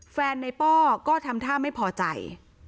แฟนในป้อก็ทำท่าไม่พอใจ